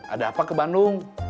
ada apa ke bandung